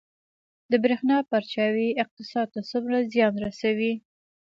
د بریښنا پرچاوي اقتصاد ته څومره زیان رسوي؟